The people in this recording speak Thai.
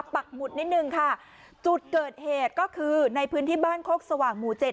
ปักหมุดนิดนึงค่ะจุดเกิดเหตุก็คือในพื้นที่บ้านโคกสว่างหมู่เจ็ด